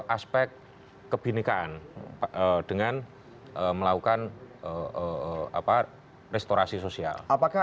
aspek kebenikan dengan melakukan apa restorasi sosial